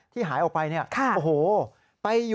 ที่หายออกไป